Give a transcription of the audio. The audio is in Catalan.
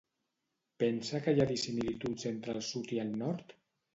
Pensa que hi ha dissimilituds entre el sud i el nord?